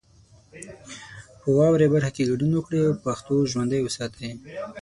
په واورئ برخه کې ګډون وکړئ او پښتو ژوندۍ وساتئ.